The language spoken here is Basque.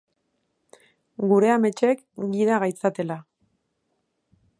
Gure ametxek gida gaitzatela